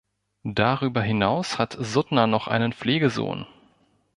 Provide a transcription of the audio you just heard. Darüber hinaus hat Suttner noch einen Pflegesohn.